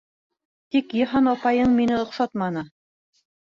Тик Йыһан апайың мине оҡшатманы.